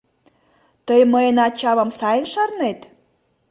Тый мыйын ачамым сайын шарнет?